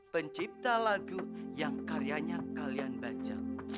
pencipta lagu yang karyanya kalian baca